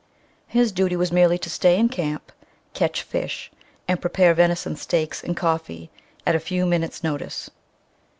His duty was merely to stay in camp, catch fish, and prepare venison steaks and coffee at a few minutes' notice.